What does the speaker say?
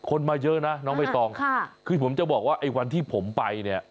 มาเยอะนะน้องใบตองค่ะคือผมจะบอกว่าไอ้วันที่ผมไปเนี่ย